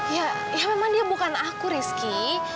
ya ya memang dia bukan aku rizky